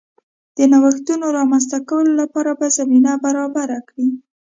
د نوښتونو رامنځته کولو لپاره به زمینه برابره کړي